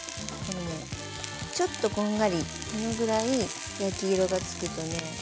ちょっとこんがりこのぐらい焼き色がつくとね